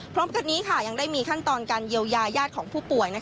พร้อมกันนี้ยังได้มีขั้นตอนการเยียวยาญาติของผู้ป่วย